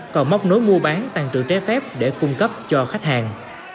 còn móc nối mua bán tàn trữ trái phép để cung cấp cho khách hàng